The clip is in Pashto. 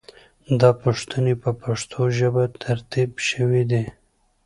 دا پوښتنې په پښتو ژبه ترتیب شوې دي.